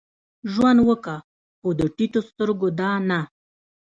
ژوند وکه؛ خو د ټيټو سترګو دا نه.